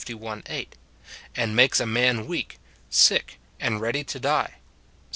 8, and makes a man weak, sick, and ready to die, Psa.